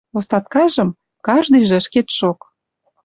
Остаткажым... каждыйжы ӹшкетшок.